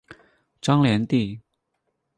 张联第。